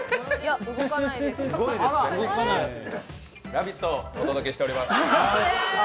「ラヴィット！」をお届けしております。